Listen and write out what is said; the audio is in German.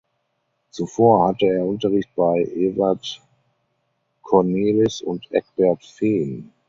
Zuvor hatte er Unterricht bei Evert Cornelis und Egbert Veen.